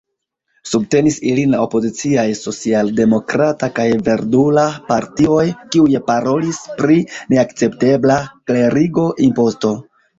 Subtenis ilin la opoziciaj Socialdemokrata kaj Verdula Partioj, kiuj parolis pri neakceptebla klerigo-imposto.